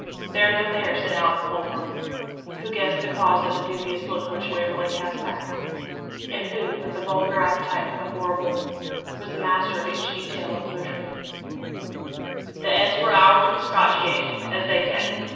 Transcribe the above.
'They're no there,' said Alick Polwarth, who guessed the cause of the dubious look which Waverley cast backward, and who, with the vulgar appetite for the horrible, was master of each detail of the butchery 'the heads are ower the Scotch yate, as they ca' it.